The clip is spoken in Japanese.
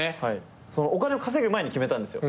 お金を稼ぐ前に決めたんですよ。